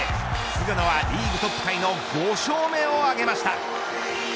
菅野はリーグトップタイの５勝目を挙げました。